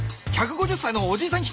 １５０さいのおじいさん